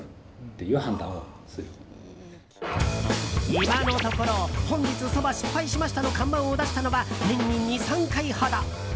今のところ「本日そば失敗しました」の看板を出したのは年に２３回ほど。